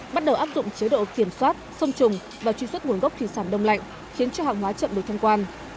bắt đầu áp dụng chế độ kiểm soát xông trùng và truy xuất nguồn gốc thủy sảm đông lạnh khiến cho hàng hóa chậm được tham quan